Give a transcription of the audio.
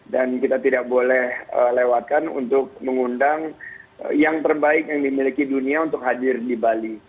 dan kita tidak boleh lewatkan untuk mengundang yang terbaik yang dimiliki dunia untuk hadir di bali